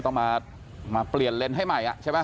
ต้องมาเปลี่ยนเลนส์ให้ใหม่ใช่ไหม